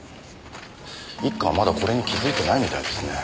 一課はまだこれに気づいてないみたいですね。